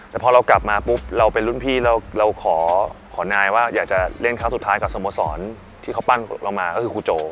แต่พอเรากลับมาปุ๊บเราเป็นรุ่นพี่แล้วเราขอนายว่าอยากจะเล่นครั้งสุดท้ายกับสโมสรที่เขาปั้นเรามาก็คือครูโจ